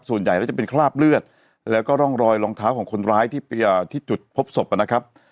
ส่วนใหญ่แล้วจะเป็นคราบเลือดแล้วก็ร่องรอยรองเท้าของคนร้ายที่จุดพบศพนะครับ